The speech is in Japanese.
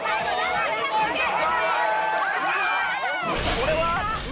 これは？